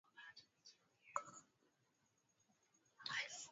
Na kufariki tarehe kumi na moja mwezi wa tano